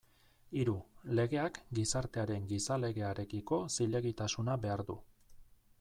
Hiru, legeak gizartearen gizalegearekiko zilegitasuna behar du.